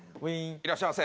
いらっしゃいませ。